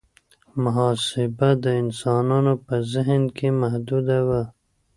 محاسبه د انسانانو په ذهن کې محدوده وه.